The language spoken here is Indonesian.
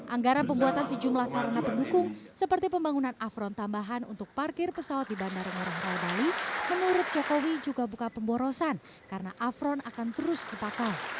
anggaran pembuatan sejumlah sarana pendukung seperti pembangunan afron tambahan untuk parkir pesawat di bandara ngurah rai bali menurut jokowi juga buka pemborosan karena afron akan terus kepakau